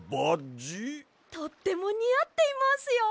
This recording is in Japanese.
とってもにあっていますよ！